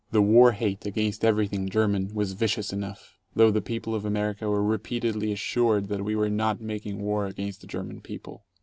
The war hate against everything German was vicious enough, though the people of America were repeatedly assured that we were not making war against the German people.